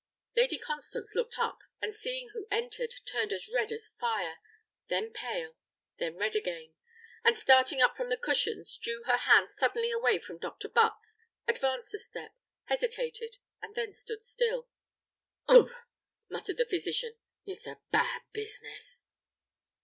Lady Constance looked up, and seeing who entered, turned as red as fire, then pale, then red again; and starting up from the cushions, drew her hand suddenly away from Dr. Butts, advanced a step, hesitated, and then stood still. "Umph!" muttered the physician, "it's a bad business."